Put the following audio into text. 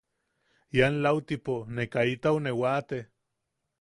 Ian lautipo ne kaitau ne waate.